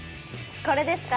これですか？